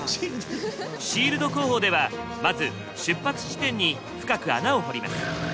シールド工法ではまず出発地点に深く穴を掘ります。